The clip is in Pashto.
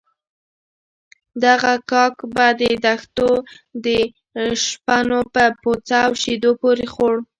دغه کاک به د دښتو شپنو په پوڅه او شيدو پورې خوړ.